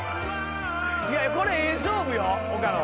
これええ勝負よ岡野。